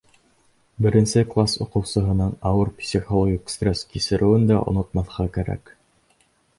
Беренсе класс уҡыусыһының ауыр психологик стресс кисереүен дә онотмаҫҡа кәрәк.